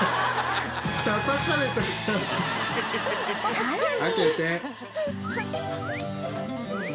［さらに］